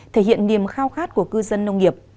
thể hiện niềm khao khát của cư dân nông nghiệp